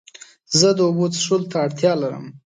زه د اوبو څښلو ته اړتیا لرم.